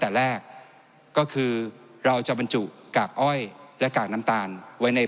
แต่แรกก็คือเราจะบรรจุกากอ้อยและกากน้ำตาลไว้ใน